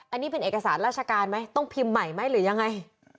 อันนี้เป็นเอกสารราชการไหมต้องพิมพ์ใหม่ไหมหรือยังไง